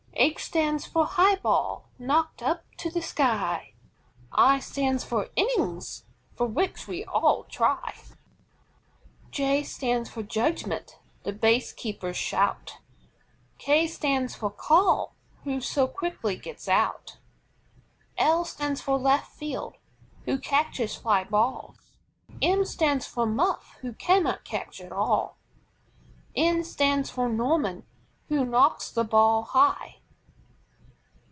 H stands for HIGH BALL, knocked up to the sky. I stands for INNINGS, for which we all try. J stands for JUDGEMENT, the Base Keeper's shout. K stands for KARL, who so quickly gets out. L stands for LEFT FIELD, who catches FLY BALLS. M stands for MUFF, who cannot catch at all. N stands for NORMAN, who knocks the ball high.